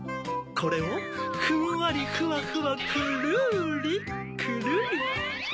これをふんわりふわふわくるりくるり。